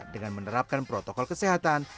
dengan menerapkan protokol kesehatan